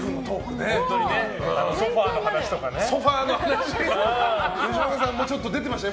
ソファの話とかね。